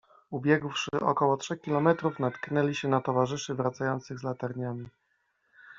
Ubiegłszy około trzech kilometrów, natknęli się na towarzyszy wracających z latarniami.